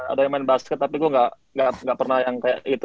ada yang main basket tapi gue gak pernah yang kayak gitu